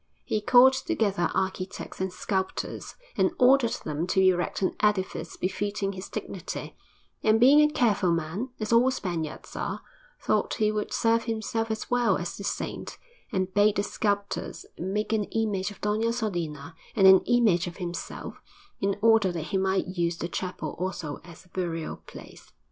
He called together architects and sculptors, and ordered them to erect an edifice befitting his dignity; and being a careful man, as all Spaniards are, thought he would serve himself as well as the saint, and bade the sculptors make an image of Doña Sodina and an image of himself, in order that he might use the chapel also as a burial place.